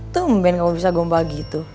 tumben kamu bisa gompa gitu